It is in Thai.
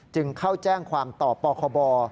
จึงเข้าแจ้งความต่อปคบ